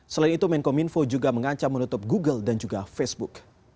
selain itu menkom info juga mengacam menutup google dan juga facebook